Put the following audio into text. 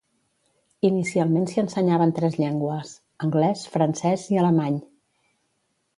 Inicialment s'hi ensenyaven tres llengües -anglès, francès i alemany.